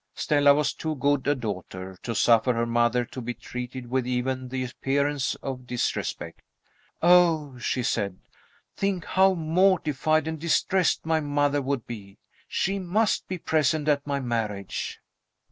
Stella was too good a daughter to suffer her mother to be treated with even the appearance of disrespect. "Oh," she said, "think how mortified and distressed my mother would be! She must be present at my marriage."